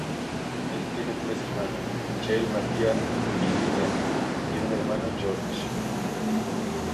Él tiene tres hermanas, Michelle, Maria y Lillian, y un hermano, George.